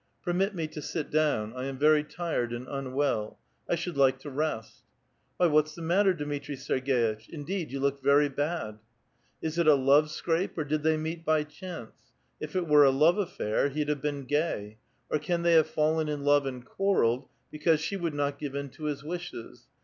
Permit me to sit down. I am very tired and unwell. I should like to rest." ''Why, what's the matter, Dmitri Serg^itch? Indeed, you look very bad !"(" Is it a love scrape, or did they meet by chance? If it were a love affair, he'd have been gay. Or can they have fallen in love and quarrelled, because she would not give in to his wishes?